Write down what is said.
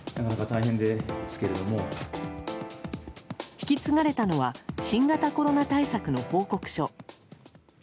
引き継がれたのは新型コロナ対策の報告書。